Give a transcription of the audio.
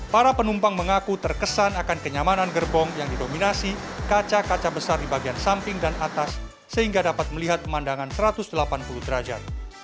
para penumpang mengaku terkesan akan kenyamanan gerbong yang didominasi kaca kaca besar di bagian samping dan atas sehingga dapat melihat pemandangan satu ratus delapan puluh derajat